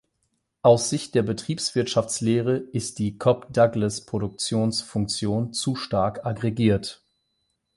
Aus Sicht der Betriebswirtschaftslehre ist die Cobb-Douglas-Produktionsfunktion zu stark aggregiert.